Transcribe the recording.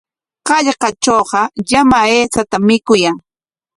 Hallqatrawqa llama aychatam mikuyan.